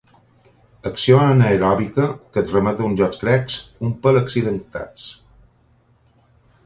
Acció anaeròbica que et remet a uns jocs grecs un pèl accidentats.